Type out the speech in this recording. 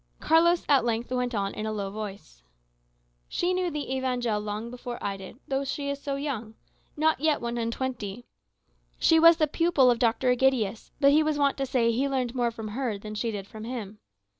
Carlos at length went on in a low voice: "She knew the Evangel long before I did, though she is so young not yet one and twenty. She was the pupil of Dr. Egidius; but he was wont to say he learned more from her than she did from him.